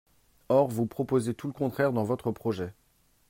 Or vous proposez tout le contraire dans votre projet.